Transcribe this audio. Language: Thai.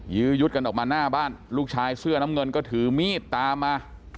ยื้อยุดกันออกมาหน้าบ้านลูกชายเสื้อน้ำเงินก็ถือมีดตามมา